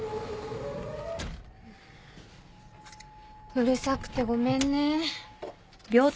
うるさくてごめんね。